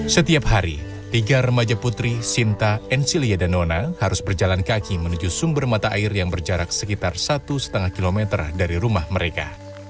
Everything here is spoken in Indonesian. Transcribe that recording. setiap hari tiga remaja putri sinta encilia dan nona harus berjalan kaki menuju sumber mata air yang berjarak sekitar satu lima km dari rumah mereka